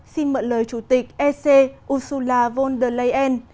xin mượn lời chủ tịch ec ursula von der leyen